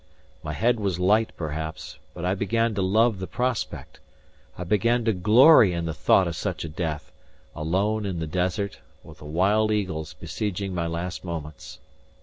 My head was light perhaps; but I began to love the prospect, I began to glory in the thought of such a death, alone in the desert, with the wild eagles besieging my last moments.